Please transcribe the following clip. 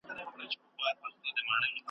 زه پوهېدم تاته مي نه ویله ,